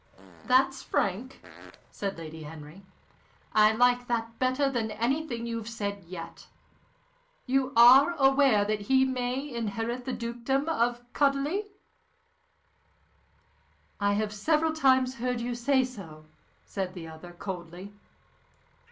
"That's frank," said Lady Henry. "I like that better than anything you've said yet. You are aware that he may inherit the dukedom of Chudleigh?" "I have several times heard you say so," said the other, coldly.